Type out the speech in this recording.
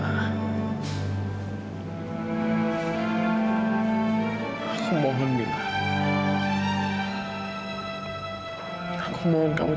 aku rindu tangisan kamu